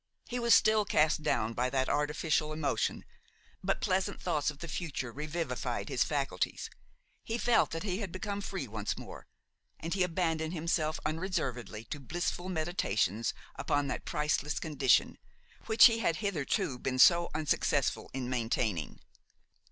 He was still cast down by that artificial emotion; but pleasant thoughts of the future revivified his faculties; he felt that he had become free once more, and he abandoned himself unreservedly to blissful mediations upon that priceless condition, which he had hitherto been so unsuccessful in maintaining.